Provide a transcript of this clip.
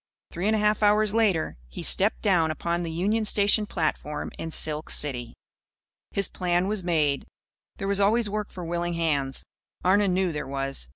Three and a half hours later, he stepped down upon the Union Station platform in Silk City. His plan was made. There was always work for willing hands. Arnon knew there was.